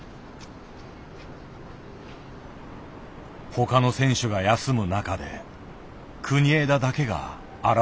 他の選手が休む中で国枝だけが現れた。